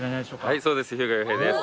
はいそうです。